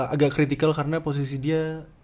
agak kritikal karena posisi dia